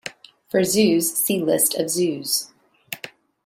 For zoos, see List of zoos.